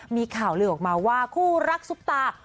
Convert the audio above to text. มีข่าวลือออกมาว่าคู่รักซุปตา